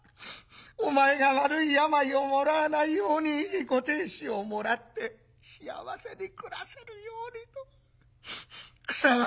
お前が悪い病をもらわないようにいいご亭主をもらって幸せに暮らせるようにと草葉の陰で祈ってる」。